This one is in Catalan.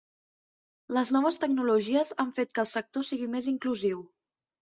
Les noves tecnologies han fet que el sector sigui més inclusiu.